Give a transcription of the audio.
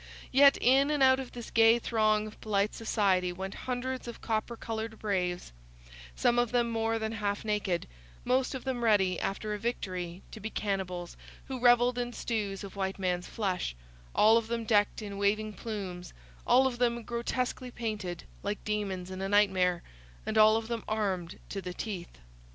Yet in and out of this gay throng of polite society went hundreds of copper coloured braves; some of them more than half naked; most of them ready, after a victory, to be cannibals who revelled in stews of white man's flesh; all of them decked in waving plumes, all of them grotesquely painted, like demons in a nightmare, and all of them armed to the teeth.